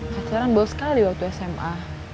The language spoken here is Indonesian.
pacaran bos sekali waktu sma